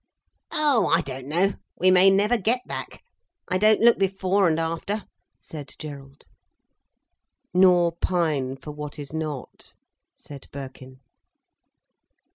"Oh, I don't know. We may never get back. I don't look before and after," said Gerald. "Nor pine for what is not," said Birkin.